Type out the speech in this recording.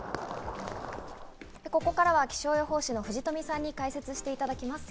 ここからは気象予報士の藤富さんに解説していただきます。